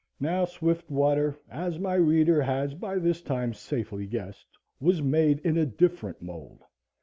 Now, Swiftwater, as my reader has by this time safely guessed, was made in a different mould.